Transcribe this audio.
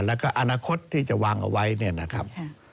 แล้วก็อนาคตที่จะวางเอาไว้เนี่ยนะครับ